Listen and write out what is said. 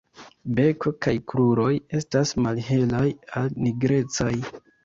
Beko kaj kruroj estas malhelaj al nigrecaj.